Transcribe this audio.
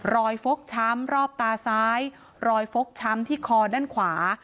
ฟกช้ำรอบตาซ้ายรอยฟกช้ำที่คอด้านขวา